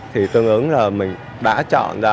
thì tương ứng là mình đã chọn ra